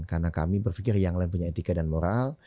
karena kami berpikir yang lain punya etika dan moral